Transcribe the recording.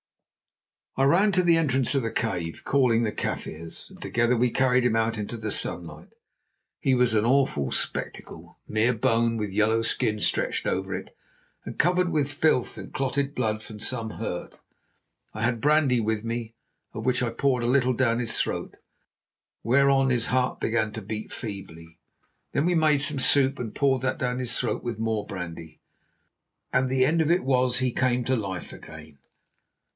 I ran to the entrance of the cave, calling the Kaffirs, and together we carried him out into the sunlight. He was an awful spectacle, mere bone with yellow skin stretched over it, and covered with filth and clotted blood from some hurt. I had brandy with me, of which I poured a little down his throat, whereon his heart began to beat feebly. Then we made some soup, and poured that down his throat with more brandy, and the end of it was he came to life again.